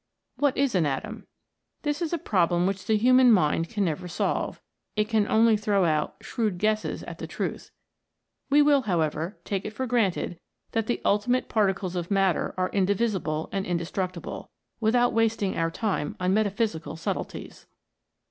What is an atom 1 This is a pro blem which the human mind can never solve, it can only throw out shrewd guesses at the truth. We will, however, take it for granted that the ultimate particles of matter are indivisible and indestructible, without wasting our time on metaphysical subtleties.